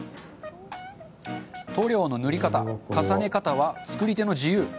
塗料の塗り方、重ね方は作り手の自由。